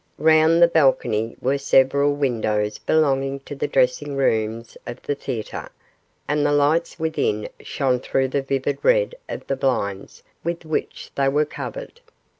Round the balcony were several windows belonging to the dressing rooms of the theatre, and the lights within shone through the vivid red of the blinds with which they were covered.